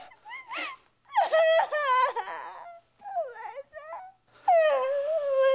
お前さん！